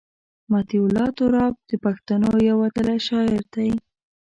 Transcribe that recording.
مطیع الله تراب د پښتنو یو وتلی شاعر دی.